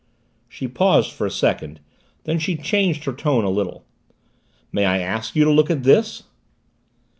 She paused for a second. Then she changed her tone a little. "May I ask you to look at this?"